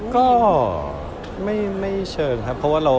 อย่างของพี่อันดานี่จัดอยู่ในหมวดไทยโซไหมครับ